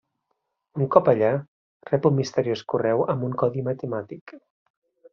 Un cop allà, rep un misteriós correu amb un codi matemàtic.